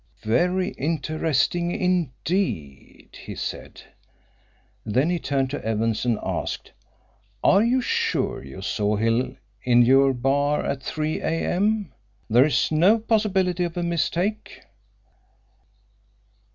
"Very interesting indeed," he said. Then he turned to Evans and asked, "Are you sure you saw Hill in your bar at three a. m.? There is no possibility of a mistake?"